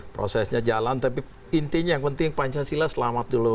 prosesnya jalan tapi intinya yang penting pancasila selamat dulu